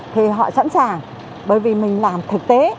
thì họ sẵn sàng bởi vì mình làm thực tế